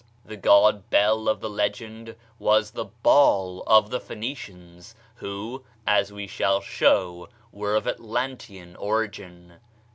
The god Bel of the legend was the Baal of the Phoenicians, who, as we shall show, were of Atlantean origin.